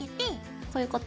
こういうこと？